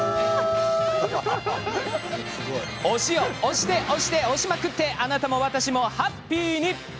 推しを推して推して推しまくってあなたも私もハッピーに！